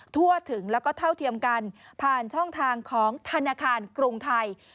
ทั่วถึงแล้วก็เท่าเทียมกันผ่านช่องทางของธนาคารกรุงไทย